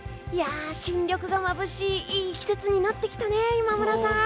新緑がまぶしいいい季節になってきたね、今村さん。